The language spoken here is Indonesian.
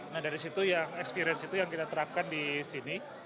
nah dari situ yang experience itu yang kita terapkan di sini